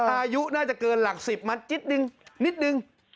อายุน่าจะเกินหลักสิบนิดนึง